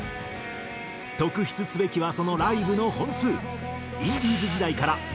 特筆すべきはそのライブの本数。